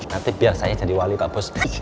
nanti biar saya jadi wali pak bos